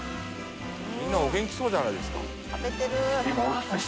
みんなお元気そうじゃないですか。